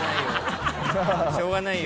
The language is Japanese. しょうがないよ。